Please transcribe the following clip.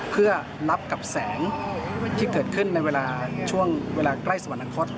เพื่อรับกับแสงที่เกิดขึ้นในเวลาช่วงเวลาใกล้สวรรคต